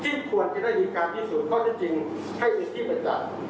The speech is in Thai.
ที่ควรจะได้ดีการพิสูจน์ข้อตะจริงให้อุทิศที่ประจับ